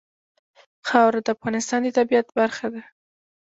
خاوره د افغانستان د طبیعت برخه ده.